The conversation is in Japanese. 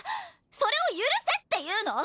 それを許せっていうの？